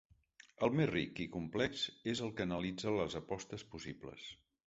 El més ric i complex és el que analitza les apostes possibles.